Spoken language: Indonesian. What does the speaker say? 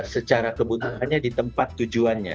secara kebutuhannya di tempat tujuannya